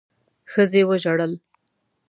ښځې وژړل.